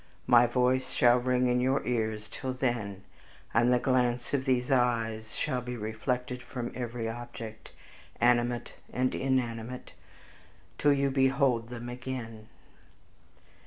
My voice shall ring in your ears till then, and the glance of these eyes shall be reflected from every object, animate or inanimate, till you behold them again."